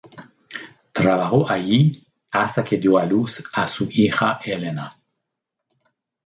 Trabajó allí hasta que dio a luz a su hija Elena.